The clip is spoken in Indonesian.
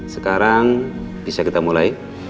sekarang bisa kita mulai